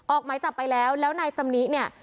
ออกหมายจับไปแล้วแล้วนายจำนิเนี่ย